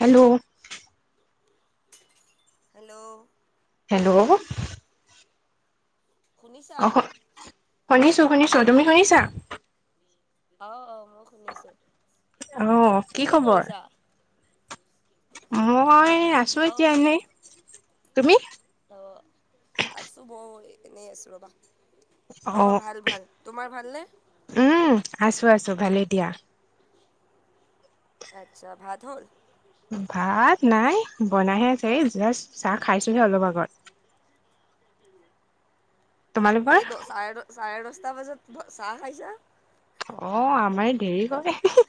Hello hello hello শুনিছা অ শু শুনিছো শুনিছো তুমি শুনিছা অ অ মই শুনিছো অ কি খবৰ মই আছো অ এতিয়া এনেই তুমি অ আছো ময়ো এনেই আছো ৰ'বা অ ভাল ভাল তোমাৰ ভালনে উম আছো আছো ভালেই দিয়া আচ্ছা ভাত হ'ল ভাত নাই বনাইহে আছে এই জাষ্ট চাহ খাইছোহে অলপ আগত [inaudible] তোমালোকৰ এই দ চাৰে দচ চাৰে দচটা বজাত চাহ খাইছা অ আমাৰ এ দেৰি হয় হে হি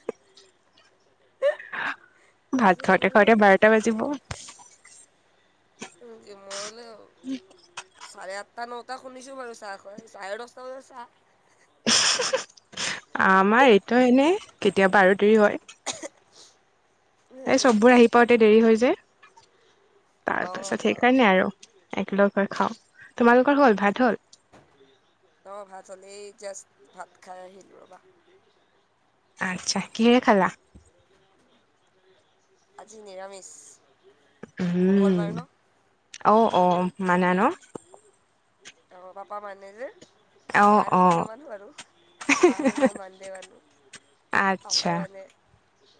ভাত খাওঁতে খাওঁতে জমনি বাৰটা বাজিব উম কে মল অ চাৰে আঠটা নটা শুনিছো বাৰু চাহ খোৱা চাৰে দচটা বজাত চাহ হো হু আমাৰ এইটো এনে কেতিয়াবা আৰু দেৰি হয় হয় এই নেকি চববোৰ আহি পাওতে দেৰি হৈ যে তাৰ অ পাছত অ সেইকাৰণে আৰু একলগ হৈ খাওঁ তোমালোকৰ হল ভাত হল অ ভাত হ'লেই জাষ্ট ভাত খাই আহিলো ৰ'বা আচ্ছা কিহেৰে খালা আজি নিৰামিষ উম মংগলবাৰ ন অ অ মানা ন অ পাপা মানে যে মা অ' আৰু মই অ' নামানো আৰু মা আৰু মই ইমান নামানো পাপাই আচ্ছা মানে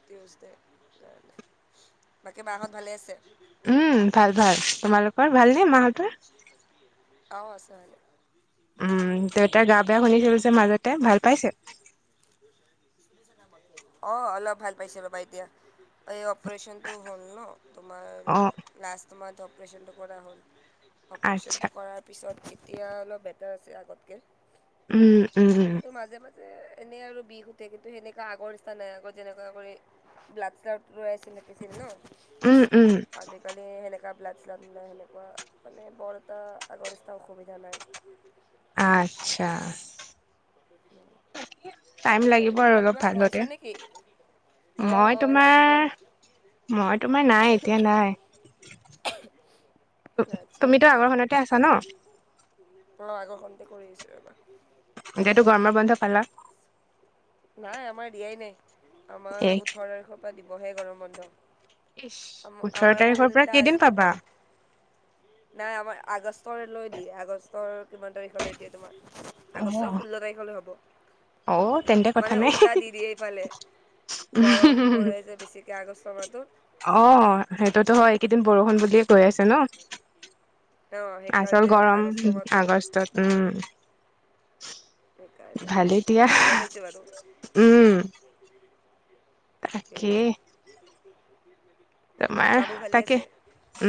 টিউচডে সেইকাৰণে বাকী বাঁহত ভালে আছে উম ভাল ভাল তোমালোকৰ ভাল নে মাঁহতৰ অ আছে উম দেউতাৰ গা বেয়া শুনিছিলো যে মাজতে ভাল পাইছে [unintelligible] অ অলপ ভাল পাইছে ৰ'বা এতিয়া এই অপাৰেচনটো হ'ল ন অ' তোমাৰ লাষ্ট মান্থ অপাৰচনটো কৰা হ'ল আচ্ছা অপাৰচনটো কৰাত পিছত এতিয়া অলপ বেটাৰ আছে আগতকে উম উম উম ত মাজে মাজে এনে আৰু বিষ উঠে কিন্তু সেনেকা আগৰ ইচ্ছা নাই আগত যেনেকুৱা কৰি ব্লাড চাৰক ৰৈ আছিলে পেছেন ন উম উম আজিকালি সেনেকা ব্লাড চাপলাই সেনেকুৱা মানে বল এটা আগৰ নিচিনা অসুবিধা নাই আচ্ছা টাইম এতিয়া লাগিব তুমি আৰু ক'বাত অলপ কিবা ভাল হওঁতে সোমাইছা নেকি অ মই অ তোমাৰ লাগিব মই তোমাৰ নাই এতিয়া নাই তুমিতো আগৰখনতে আছা ন ম আগৰখনতে কৰি আহছো এবাৰ এতিয়াটো গৰমৰ বন্ধ পালা নাই আমাৰ দিয়াই নাই এ আমাৰ ওঠৰ তাৰিখৰ পৰা দিবহে গৰম বন্ধ ইচ ওঠৰ আমাৰ আকৌ তাৰিখৰ পৰা উল্টা কেইদিন পাবা স্কুলখন নাই আমাৰ আগষ্টলৈ দিয়ে আগষ্টৰ কিমান তাৰিখলৈ দিয়ে তোমাক আগষ্টৰ অ' শোল্ল তাৰিখলৈ অ' তেন্তে হ'ব কথা মানে উল্টা দি দিয়ে এইফালে গৰম নাই পৰে যে বেছিকৈ আগষ্ট মাহটোত অ সেইটোতো হয় এইকেইদিন বৰষুণ বুলিয়ে কৈ আছে ন অ', আচল সেইকাৰণে মানে গৰম আগষ্ট মাহটোত আগষ্টত উম সেইকাৰণে ভালেই দিয়া ভালেই পাইছোঁ বাৰু উম তাকে কিন্তু তোমাৰ তাকে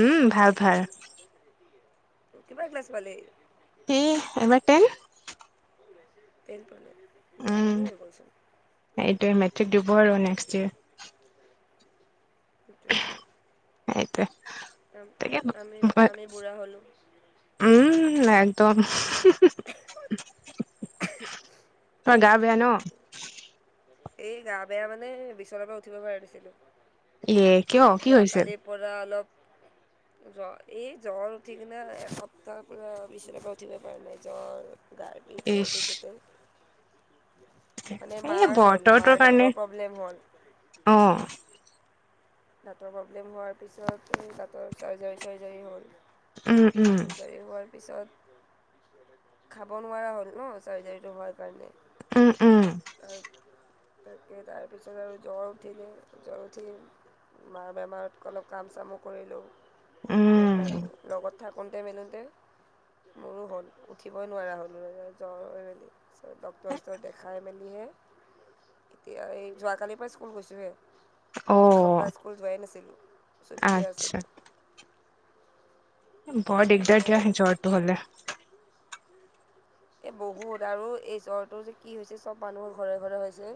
উম ভাল ভাল কিবা ক্লাছ পালে স এবাৰ টেন টেন পালে উম ডাঙৰে হৈ গ'ল ছোন এইটোৱে মেট্ৰিক দিব আৰু নেক্সট ইয়েৰ সেই টোৱে টো [unintelligible] আমি আমি বুঢ়া হ'লোঁ উম একদম [unintelligible] তোৰ গা বেয়া ন এই গা বেয়া মানে বিছৰ পৰা উঠিব পৰা দিছিলো ইয়ে কিয় এই কি হৈছিল যোৱাকালি পৰা অলপ জ্বৰ এই জ্বৰ উঠি কিনে এসপ্তাহৰ পৰা বিছনাৰ পৰা উঠিবই পৰা নাই জ্বৰ। ইচ [unintelligible] এ বতৰ তাৰ দাঁতৰ প্ৰব্লেম হ'ল অঁ দাঁতৰ প্ৰব্লেম হোৱাৰ পিছত দাঁতৰ চাৰ্জাৰী চাৰ্জাৰী হ'ল উম উম আজৰি হোৱাৰ পিছত খাব নোৱাৰা হ'ল ন চাৰ্জাৰীটো হোৱাৰ কাৰণে উম উম [unintelligible] তাকে তাৰপিছত আৰু জ্বৰ উঠিলে জ্বৰ উঠি মাৰ বেমাৰত অলপ কাম চামো কৰিলোঁ উম সেইবিলাকো লগত। থাকোঁতে মেলোঁতে মোৰো হ'ল উঠিবই নোৱাৰা হ'লোঁ ৰজ জ্বৰ হৈ মেলি। তাৰছত ডক্তৰ ওচৰত দেখাই মেলিহে এতিয়া এই যোৱাকালিৰ পৰা স্কুল গৈছোঁহে। অঁ! এসপ্তাহ স্কুল যোৱাই নাছিলোঁ চুটিতে আচ্ছা আছিলোঁ। বৰ দিগদাৰ সেয়াই দিয়া আৰু জ্বৰটো হ'লে। এই বহুত আৰু এই জ্বৰটো যে কি হৈছে চব মানুহৰ ঘৰে ঘৰে হৈছে।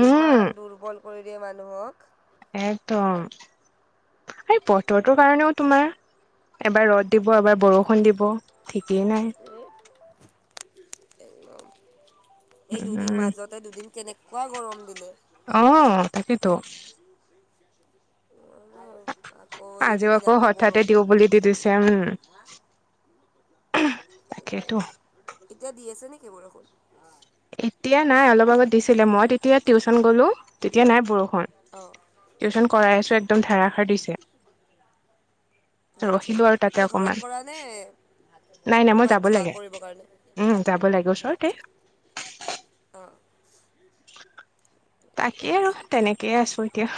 উম, ইমান দুৰ্বল কৰি দিয়ে মানুহক। একদম এই বতৰটোৰ কাৰণেও তোমাৰ। এবাৰ ৰ'দ দিব এবাৰ বৰষুণ দিব ঠিকেই নাই। এই এঅ এই দুদিন উম, মাজত। তাতে দুদিন কেনেকুৱা গৰম দিলে। অঁ তাকেতো। আকৌ এই আজিও দুদিন আকৌ হঠাতে বৰষুণ। দিওঁ বুলি দি দিছে উমঁ। তাকেতো সেইটোৱেইটো এতিয়া দি আছে নেকি বৰষুণ? এতিয়া নাই অলপ আগত দিছিলে মই তেতিয়া টিউচন গ'লো তেতিয়া নাই বৰষুণ। হয়ঁ অঁ টিউচন কৰাই আছো একদম ধাৰাষাৰ দিছে। আচ্ছা ৰখিলো আৰু তাতে তুমি ঘৰত অকমান কৰা নে নাই নাই মই ক'ৰবাত যাব যোৱা লাগে। কৰিবৰ কাৰণে? উমঁ যাব লাগে ওচৰতে। আচ্ছা অঁ! ঠিক তাকেই আৰু আছে তেনেকে আছো এতিয়া।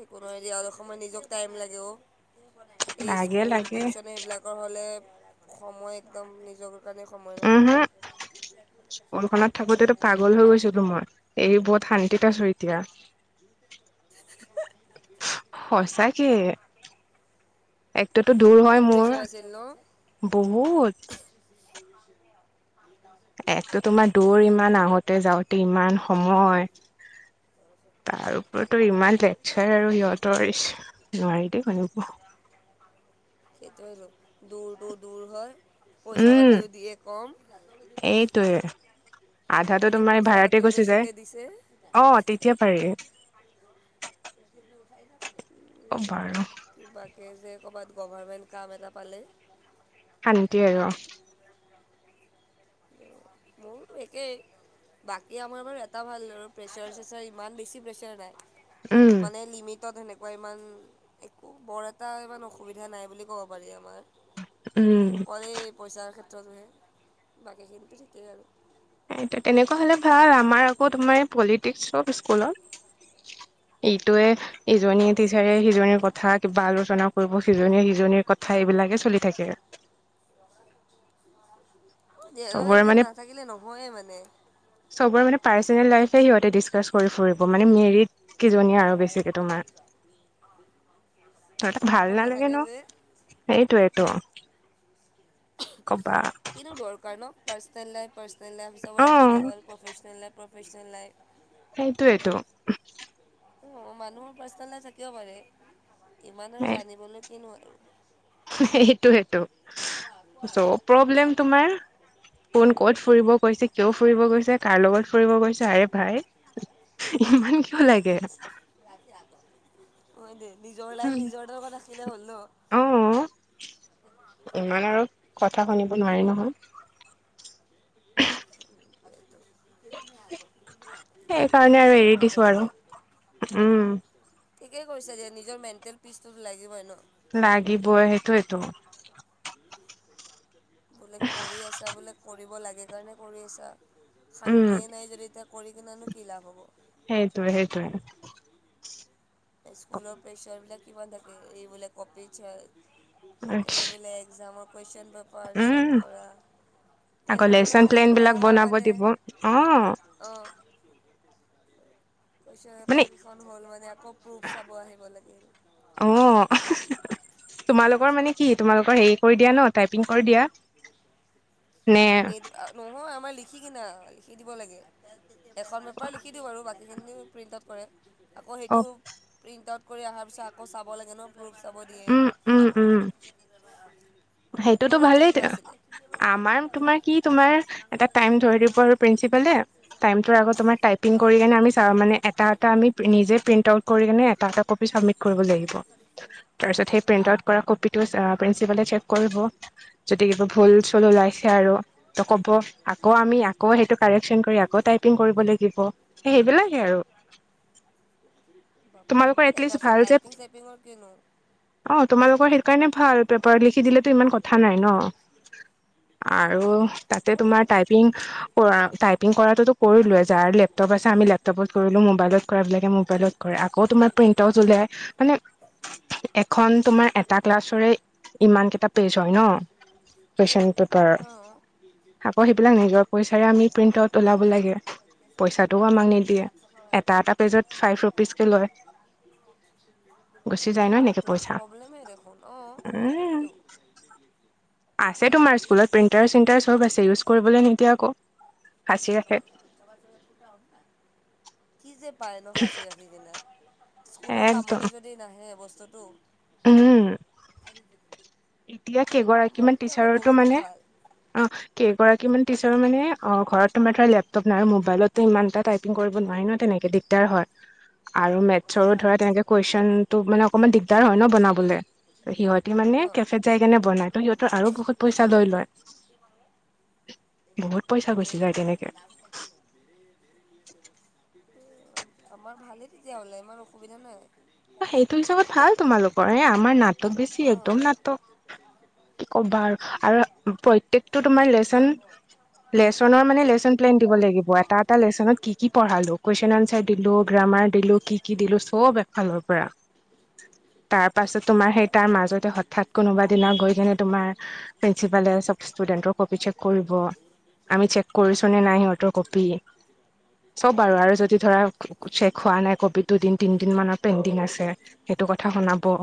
একো নহয় দিয়া অলপ সময় নিজক টাইম লাগে অঁ। এই লাগে স্কুল লাগে টিউচন এইবিলাক। নহ'লে সময় একদম নিজৰ কাৰণে সময় উম, নহয়। হম স্কুলখনত থাকোতেটো পাগল হৈ গৈছিলো মই এই বহুত শান্তিত আছো এতিয়া। সঁচাকে। একটোতো দূৰ হয় বহুত মোৰ প্ৰেছাৰ বহুত। শ্বিলং নিনীয় [unintelligible] ইয়াতো তোমাৰ দূৰ ইমান আহোতে যাওঁতে ইমান সময়। তাৰ ওপৰতো ইমান লেকচাৰ আৰু সিহঁতৰ ইচ নোৱাৰি দেই শুনিব। হেতোয়েতো দূৰটো দূৰ হয় পইচা পাতিও দিয়ে কম। এইটোৱে আধাতো বোলে তোমাৰ পইচা ভাড়াতে পাতিও গুচি বেছিকৈ দিছে যায় অঁ। তেতিয়া পাৰি অঁ বাৰু। কিবাকে যে কবাত গভাৰ্মেণ্ট কাম এটা পালে শান্তি আৰু। তেওঁ মো মোৰতো একেই বাকী আমাৰ বাৰু এটা ভাল আৰু প্ৰেচাৰ চেচাৰ ইমান বেছি প্ৰেছাৰ উম নাই। মানে লিমিটতে সেনে ইমান একো বৰ এটা ইমান অসুবিধা নাই বুলি ক'ব পাৰি আমাৰ। উম অকল এই পইচাৰ ক্ষেত্ৰতহে বাকীখিনিতো ঠিকেই আৰু। তেনেকুৱা হ'লে ভাল আমাৰ আকৌ তোমাৰ পলিটিক্স চব স্কুলত। এইটোৱে- অঁ ইজনীয়ে টিচাৰে সিজনীৰ কথা কিবা আলোচনা কৰিব সিজনীয়ে সিজনীৰ কথা এইবিলাকে চলি থাকে। দে চবৰে এইবিলাক মানে নাথাকিলে নহয়ে মানে। চবৰে মানে, পাৰ্চনেল লাইফে সিহঁতে, ডিছকাছ কৰি ফুৰিব। মানে মেৰিট কিজনীয়ে আৰু বেছিকে তোমাৰ। তহঁতক কাম ভাল বন নালাগে নাথাকে ন'! যে সেইটোৱেইটো। ক'বা। কিনো দৰকাৰ ন'? পাৰ্চনেল লাইফ-পাৰ্চনেল লাইফ হিচাপত অ ৰাখিলে হ'ল, প্ৰফেচনেল লাইফ- প্ৰফেচনেল লাইফ। সেইটোৱেটো। অ'! মানুহৰ পাৰ্চনেল থাকিব পাৰে, ইমান আৰু জানিবলৈ কিনো আৰু। সেইটোৱেতো! চ' প্ৰব্লেম তোমাৰ? কোন ক'ত ফুৰিব গৈছে, কিয় ফুৰিব গৈছে, কাৰ লগত ফুৰিব গৈছ, আৰে ভাই, ইমান কিয় লাগে? [unintelligible] হয় দে, নিজৰ লাইফ, নিজৰ লগত ৰাখিলে হ'ল ন'। অ [inaudible] ইমান আৰু কথা শুনিব নোৱাৰি, নহয়। [unintelligible] [unintelligible] এ, সেইকাৰণে আৰু নহয়, এৰি দিছো আৰু মানুহবিলাক উম ঠিকেই কৈছে যে, নিজৰ মেণ্টেল পিচটো লাগিবই ন'। লাগিবই, সেইটোৱেটো। বোলে, কৰি আছা, বোলে, কৰিব লাগে কাৰণে, কৰি আছা, উম শান্তিয়ে নাই যদি এতিয়া কৰি কিনেনো, কি লাভ হ'ব। সেইটোৱে-সেইটোৱে। স্কুলৰ প্ৰেচাৰবিলাক কিমান থাকে! এইবিলাক কপি [unintelligible] এই বোলে, একজামৰ কুৱেশ্চন পে পেপাৰ ছেট উম কৰা, আকৌ question paper lesson set plan হৈ বিলাক অহা বনাব মানে, দিব অ অ'! কুৱেশ্চন মানে পেপাৰকেইখন হ'ল মানে, আকৌ প্ৰুফ চাব আহিব লাগে। অ'! [unintelligible] তোমালোকৰ মানে কি, তোমালোকৰ সেৰি কৰি দিয়া ন', টাইপিং কৰি দিয়া? নে নিদো। নহয়, আমাৰ লিখি কিনা, লিখি দিব লাগে। এখন পেপাৰ লিখি দিওঁ বাৰু। বাকীখিনিও প্ৰিণ্ট আউট কৰে। আকৌ অ সেইটো, প্ৰিণ্ট আউট কৰি অহাৰ পিছত, আকৌ চাব লাগে ন', প্ৰুফ চাব দিয়ে। উম উম উম সেইটোতো তোমালোকৰ ভালেই কেনেকুৱা আছিলে? আমাৰ, তোমাৰ কি তোমৰ, এটা টাইম ধৰি দিব প্ৰিন্সিপালে। টাইমটোৰ আগত তোমৰ, টাইপ পিং অঁ কৰি কেনে, আমি চাওঁ মানে, এটা এটা আমি, নিজে প্ৰিণ্টআউট কৰি কিনে, এটা- এটা কপি চাবমিট কৰিব লাগিব। তাৰপিছত, সেই প্ৰিণ্টআউট কৰা, কপিটো প্ৰিন্সিপালে চেক কৰিব। যদি কিবা ভুল ওলাইছে আৰু। ত' ক'ব, আকৌ আমি, আকৌ সেইটো, কাৰেকচন কৰি, আকৌ টাইপিং কৰিব লাগিব। এ, সেইবিলাকে আৰু। বাপৰে! তোমালোকৰ ইমান এটলিষ্ট লেঠাচোন, ভাল যে টাইপিং-চাইপিংৰ কিনো। অ'! তোমালোকৰ সেইকাৰণে ভাল! পেপাৰত লিখি দিলেতো ইমান কথা নাই ন'। আৰু তাতে অঁ তোমাৰ টাইপিং কৰা, টাইপিং কৰাটোতো, কৰিলোৱে। যাৰ লেপটপ আছে, আমি লেপটপত কৰিলোঁ। মোবাইলত কৰাবিলাকে, মোবাইলত কৰে। আকৌ, তোমাৰ প্ৰিণ্ট আউট উলিয়াই। মানে, এখন তোমাৰ, এটা ক্লাছৰে, ইমান কেইটা পেজ হয় ন', কুৱেশ্চন পেপাৰ। অঁ আকৌ, সেইবিলাক নিজৰ পইচাৰে আমি, প্ৰিন্ট আউট ওলাব লাগে। [unintelligible] পইচাটোও আমাক নিদিয়ে এটা এটা পেজত ফাইভ ৰুপিজ কে লয় গুচি যায় ন এনেকে সেইটোয়েইটো পইচা প্ৰব্লেমেই দেখোন অ', উম প্ৰব্লেমটো। আছে তোমাৰ স্কুলত প্ৰিণ্টাৰ চিণ্টাৰ চব আছে ইউজ কৰিবলৈ নিদিয়া আকৌ। সাঁচি ৰাখে কি যে পায় ন সাঁচি ৰাখি কিনে। স্কুলৰ একদম কামতে যদি নাহে বস্তুটো উম এতিয়া আমাৰ কেইগৰাকীমান তেতিয়াহ'লে টিচাৰৰতো বহুতে মানে ভাল আ কেইগৰাকী মান টিচাৰৰ মানে ঘৰত তোমাৰ ধৰা লেপটপ নাই মবাইলতো ইমানটা টাইপ পিং কৰিব নোৱাৰি ন তেনেকে দিকদাৰ হয় আৰু মেটচৰো ধৰা তেনেকে কুৱেচন টো মানে অকমান দিগদাৰ হয় ন বনাবলে ত'সিহঁতি মানে অঁ কেফেত যাই কেনে বনাই তো সিহঁতৰ আৰু বহুত পইচা লৈ লয় বহুত পইচা তো গুচি যায় তেনেকে আমাৰ ভালেই তেতিয়াহলে ইমান অসুবিধা নাই সেইটো হিচাপত ভাল তোমালোকৰ এ আমাৰ নাটক বেছি অঁ একদম নাটক কি ক'বা আৰু আৰু আৰু প্ৰত্যেকটো তোমাৰ লেচন লেচনৰ মানে লেচন প্লেন দিব লাগিব এটা এটা লেচনত কি কি পঢ়ালো কুৱেচন আনচাৰ দিলো গ্ৰামাৰ দিলো কি কি দিলো চব এক ফালৰ পৰা তাৰ পাছত তোমাৰ সেই তাৰ আমাৰ মাজতে হঠাৎ কোনোবা দিনা গৈ কিনে তোমাৰ প্ৰিঞ্চিপালে চব ষ্টুডেন্টৰ কপি চেক কৰিব আমি চেক কৰিছো নে নাই সিহঁতৰ কপি চব আৰু যদি ধৰা চেক হোৱা নাই কপিটো দুদিন তিনদিন মানৰ পেণ্ডিং আছে সেইটো কথা শুনাব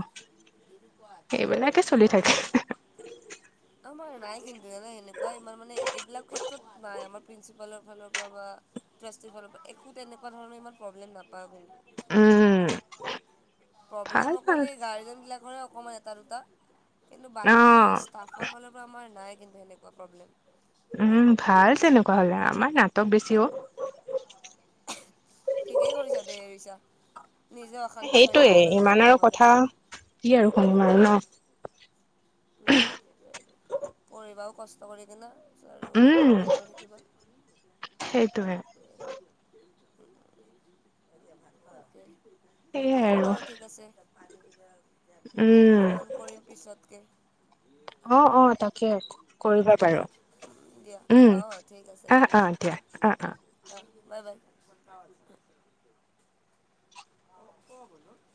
সেইবিলাকে চলি থাকে [unintelligible] আমাৰ নাই কিন্তু এনে এনেকুৱা ইমান মানে এইবিলাক ক্ষেত্ৰত নাই আমাৰ প্ৰিঞ্চিপালৰ ফালৰ পৰা বা ট্ৰাষ্টিৰ ফালৰ পৰা একো তেনেকুৱা ধৰণৰ ইমান প্ৰব্লেম নাপাও কিন্তু উম প্ৰব্লেম ভাল অকল ভাল এই গাৰ্জেন বিলাক কৰে অকণমান এটা দুটা কিন্তু অ বাকী ষ্টাফৰ ফালৰ পৰা আমাৰ নাই কিন্তু সেনেকুৱা প্ৰব্লেম উম ভাল তেনেকুৱা হলে আমাৰ নাটক বেছি অ' ঠিকেই কৰিছা দে এৰিছা নিজে অশান্তি হৈ সেইটোয়ে থাকিব লগা ইমান হ'লহেতেন আৰু নহ'লে কথা কি আৰু শুনিম আৰু ন উম পৰিবাও কষ্ট কৰি কিনে আৰু সেয়াও কৰি থাকিবা সেইটোৱে [unintelligible] [unintelligible] সেইয়াই দিয়া আৰু বাৰু ঠিক আছে উম ফ'ন কৰিম পিছতকে অ অ তাকে কৰিবা উম। বাৰু দিয়া অ' ঠিক আছে উম আহ আ বাৰু দিয়া আ আ অ বাই বাই [unintelligible]